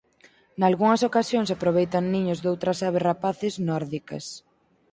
Nalgunhas ocasións aproveitan niños doutras aves rapaces nórdicas.